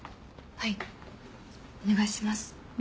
はいお願いします